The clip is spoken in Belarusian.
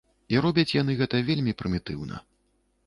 І робяць яны гэта вельмі прымітыўна.